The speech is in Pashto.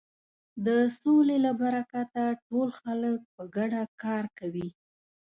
د سولې له برکته ټول خلک په ګډه کار کوي.